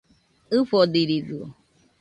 ɨfodiridɨo